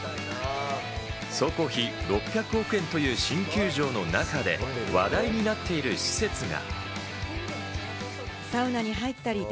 総工費６００億円という新球場の中で、話題になっている施設が。